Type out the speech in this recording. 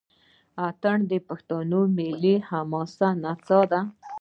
اټن د پښتنو ملي او حماسي نڅا ده.